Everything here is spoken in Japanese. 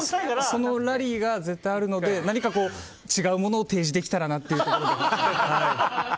そのラリーが絶対あるので何か違うものを提示できたらなというところで。